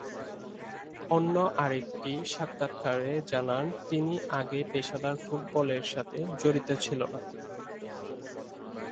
অন্য আরেকটি সাক্ষাতকারে জানান তিনি আগে পেশাদার ফুটবলের সাথে জড়িত ছিলোনা।